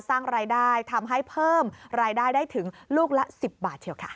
สร้างรายได้ทำให้เพิ่มรายได้ได้ถึงลูกละ๑๐บาทเชียวค่ะ